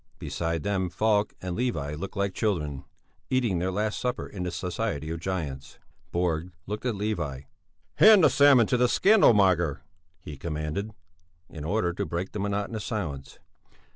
Beside them Falk and Levi looked like children, eating their last supper in the society of giants. Borg looked at Levi. "Hand the salmon to the scandal monger," he commanded, in order to break the monotonous silence.